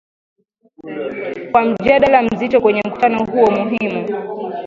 kwa mjadala mzito kwenye mkutano huo muhimu